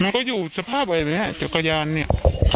มันก็อยู่สภาพอะไรแบบนี้ฮะจักรยานเนี่ย